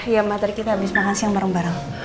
ya mak tadi kita abis makan siang bareng bareng